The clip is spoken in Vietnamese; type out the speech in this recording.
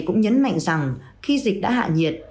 cũng nhấn mạnh rằng khi dịch đã hạ nhiệt